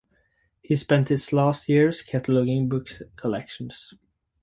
He spent his last years cataloging book collections.